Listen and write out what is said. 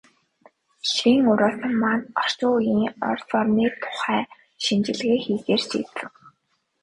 Ихрийн өрөөсөн маань орчин үеийн Орос орны тухай шинжилгээ хийхээр шийдсэн.